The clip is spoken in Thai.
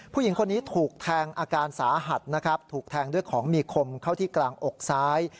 ผู้หญิงคนนี้ถูกแทงอาการสาหัสนะครับถูกแทงด้วยของมีคมเข้าที่กลางอกซ้าย